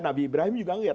nabi ibrahim juga ngelihat